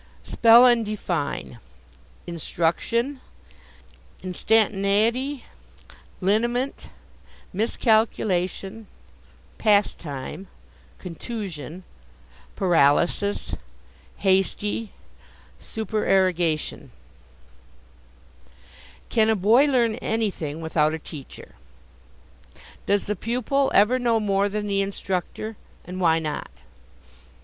SPELL AND DEFINE: Instruction Instantaneity Liniment Miscalculation Pastime Contusion Paralysis Hasty Supererogation Can a boy learn anything without a teacher? Does the pupil ever know more than the instructor? And why not?